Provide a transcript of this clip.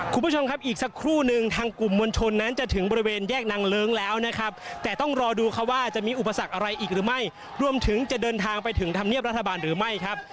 คุณผู้ชมครับอีกสักครู่นึงทางกลุ่มมวลชนนั้นจะถึงบริเวณแยกนางเลิ้งแล้วนะครับแต่ต้องรอดูเขาว่าจะมีอุปสรรคอะไรอีกหรือไม่รวมถึงจะเดินทางไปถึงธรรมเนียบรัฐบาลหรือไม่ครับ